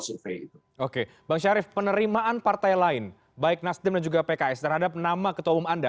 survei itu oke bang syarif penerimaan partai lain baik nasdem dan juga pks terhadap nama ketua umum anda